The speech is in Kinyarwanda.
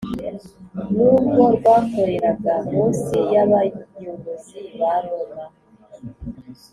Nubwo rwakoreraga munsi y’Abayobozi ba Roma